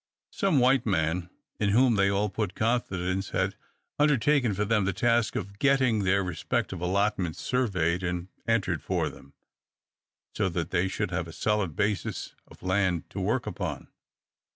Some white man in whom they all put confidence had undertaken for them the task of getting their respective allotments surveyed and entered for them, so that they should have a solid basis of land to work upon.